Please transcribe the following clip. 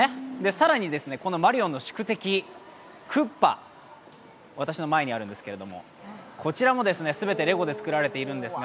更にこのマリオの宿敵・クッパ、私の前にあるんですけれどもこちらも全てレゴで作られているんですね。